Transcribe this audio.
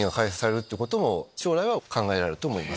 将来は考えられると思います。